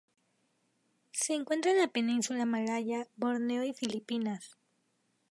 Se encuentra en la península malaya, Borneo y Filipinas.